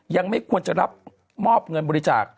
ยังไม่ควรจะรับมอบเงินบริจาค